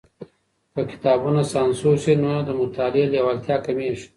که کتابونه سانسور سي نو د مطالعې لېوالتيا کمېږي.